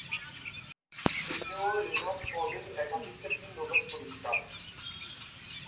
তিনি ও Linus Pauling একাধিক ক্ষেত্রে নোবেল পুরস্কার